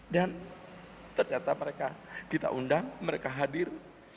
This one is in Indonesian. dan ternyata mereka kita undang mereka hadir